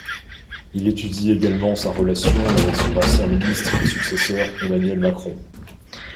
Il étudie également sa relation avec son ancien ministre et successeur Emmanuel Macron.